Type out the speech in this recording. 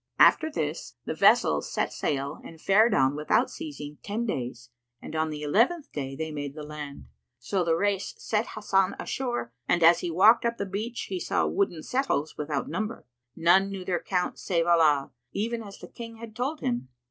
After this, the vessels set sail and fared on without ceasing ten days, and on the eleventh day they made the land. So the Rais set Hasan ashore and, as he walked up the beach, he saw wooden settles[FN#121] without number, none knew their count save Allah, even as the King had told him.